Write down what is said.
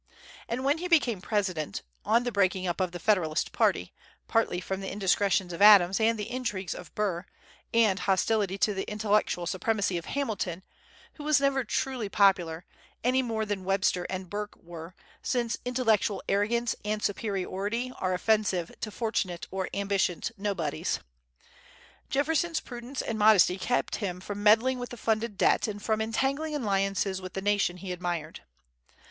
And when he became President, on the breaking up of the Federal party, partly from the indiscretions of Adams and the intrigues of Burr, and hostility to the intellectual supremacy of Hamilton, who was never truly popular, any more than Webster and Burke were, since intellectual arrogance and superiority are offensive to fortunate or ambitious nobodies, Jefferson's prudence and modesty kept him from meddling with the funded debt and from entangling alliances with the nation he admired.